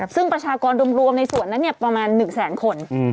ซึ่งประชากรรวมในส่วนนั้นประมาณ๑แสนคน